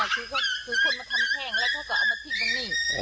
คือคนมาทำแห้งแล้วเขาก็เอามาทิ้งตรงนี้